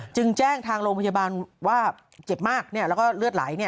จึงแจ้งทางโรงพยาบาลว่าเจ็บมากแล้วก็เลือดไหล